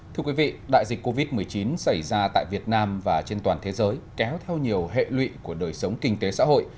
thưa quý vị đại dịch covid một mươi chín xảy ra tại việt nam và trên toàn thế giới kéo theo nhiều hệ lụy của đời sống kinh tế xã hội